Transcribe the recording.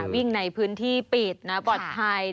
วิ่งในพื้นที่ปิดนะปลอดภัย